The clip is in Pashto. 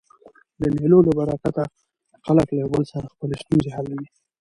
د مېلو له برکته خلک له یو بل سره خپلي ستونزي حلوي.